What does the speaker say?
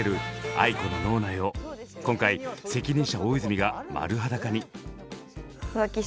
ａｉｋｏの脳内を今回責任者・大泉が丸裸に！